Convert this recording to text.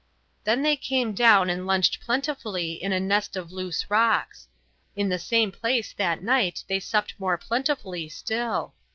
Then they came down and lunched plentifully in a nest of loose rocks. In the same place that night they supped more plentifully still.